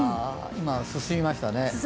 今、進みましたね。